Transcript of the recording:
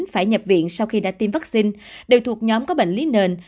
phải nhập viện sau khi đã tiêm vaccine đều thuộc nhóm có bệnh lý nền